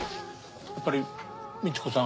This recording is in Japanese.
やっぱりみち子さん